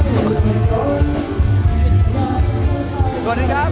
สวัสดีครับ